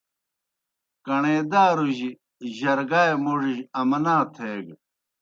کݨے دارُجیْ جرگائے موڙِجیْ امنا تھیگہ۔